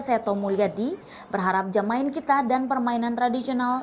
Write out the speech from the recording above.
seto mulyadi berharap jemain kita dan permainan tradisional